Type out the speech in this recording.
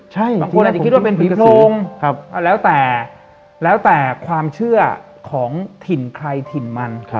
บางคนอาจจะคิดว่าเป็นผีโพรงแล้วแต่แล้วแต่ความเชื่อของถิ่นใครถิ่นมัน